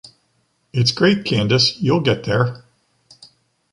It’s great, Candice you’ll get there!